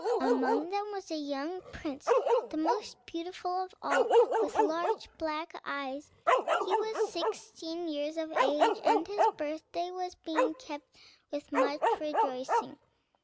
Among them was a young prince, the most beautiful of all, with large black eyes; he was sixteen years of age, and his birthday was being kept with much rejoicing.